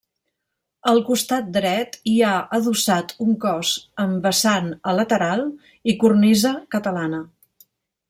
Al costat dret hi ha adossat un cos amb vessant a lateral i cornisa catalana.